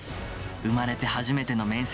生まれて初めての面接。